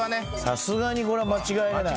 さすがにこれは間違えれない。